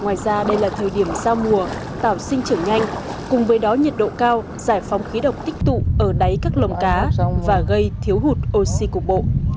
ngoài ra đây là thời điểm giao mùa tảo sinh trưởng nhanh cùng với đó nhiệt độ cao giải phóng khí độc tích tụ ở đáy các lồng cá và gây thiếu hụt oxy cục bộ